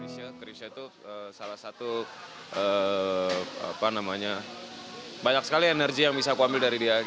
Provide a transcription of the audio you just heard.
salah satu apa namanya banyak sekali energi yang bisa aku ambil dari dia